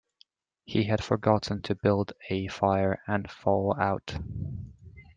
He had forgotten to build a fire and thaw out.